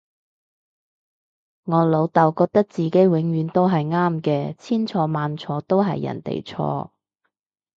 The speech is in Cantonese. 我老竇覺得自己永遠都係啱嘅，千錯萬錯都係人哋錯